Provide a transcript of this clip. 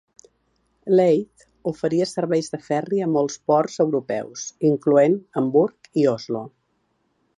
Leith oferia serveis de ferri a molts ports europeus, incloent Hamburg i Oslo.